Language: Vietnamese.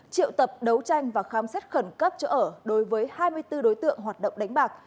triệu tập đấu tranh và khám xét khẩn cấp chỗ ở đối với hai mươi bốn đối tượng hoạt động đánh bạc